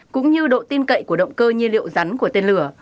cũng như độ tin cậy của động cơ nhiên liệu rắn của tên lửa